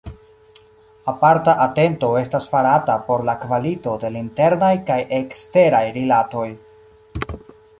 Aparta atento estas farata por la kvalito de la internaj kaj eksteraj rilatoj.